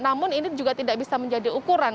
namun ini juga tidak bisa menjadi ukuran